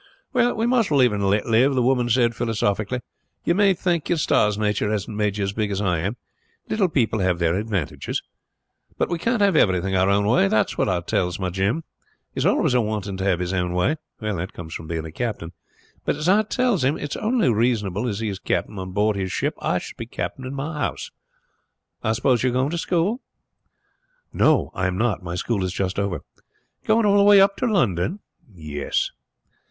"Well, we must live and let live!" the woman said philosophically. "You may thank your stars nature hasn't made you as big as I am. Little people have their advantages. But we can't have everything our own way. That's what I tells my Jim; he is always a wanting to have his own way. That comes from being a captain; but, as I tells him, it's only reasonable as he is captain on board his ship I should be captain in my house. I suppose you are going to school?" "No, I am not. My school is just over." "Going all the way up to London?" "Yes."